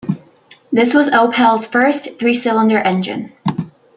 This was Opel's first three-cylinder engine.